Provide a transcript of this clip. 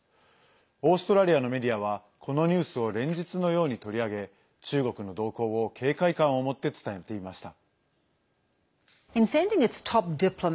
オーストラリアのメディアはこのニュースを連日のように取り上げ中国の動向を警戒感を持って伝えていました。